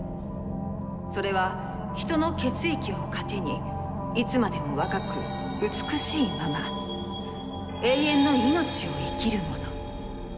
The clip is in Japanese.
それは人の血液を糧にいつまでも若く美しいまま永遠の命を生きる者。